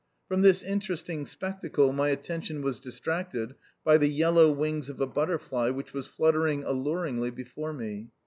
From this interesting spectacle my attention was distracted by the yellow wings of a butterfly which was fluttering alluringly before me.